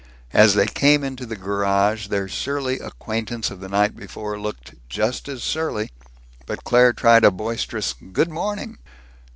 As they came into the garage, their surly acquaintance of the night before looked just as surly, but Claire tried a boisterous "Good morning!"